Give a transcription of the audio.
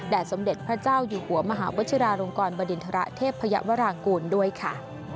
และสมเด็จพระเจ้าอยู่หัวมหาวบัชรารงค์กรบริณฑราเทพพยาวรากูลด้วยค่ะ